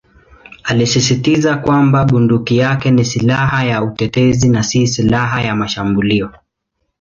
Alisisitiza kwamba bunduki yake ni "silaha ya utetezi" na "si silaha ya mashambulio".